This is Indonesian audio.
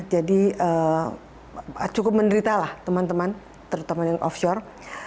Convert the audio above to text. jadi cukup menderita lah teman teman terutama yang offshore